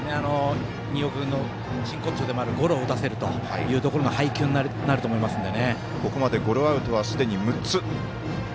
新岡君の真骨頂でもあるゴロを打たせるという配球になると思いますので。